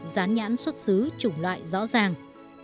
dán nhãn xuất xứ chủng loại rõ ràng